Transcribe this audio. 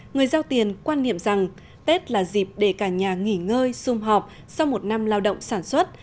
người giao tiền quan niệm rằng tết là dịp để cả nhà nghỉ ngơi xung họp sau một năm lao động sản xuất